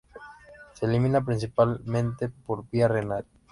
Se elimina principalmente por vía renal.